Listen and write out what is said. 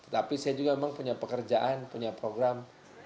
tapi saya juga memang punya pekerjaan punya program